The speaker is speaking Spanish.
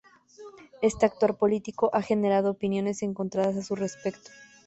Este actuar político ha generado opiniones encontradas a su respecto.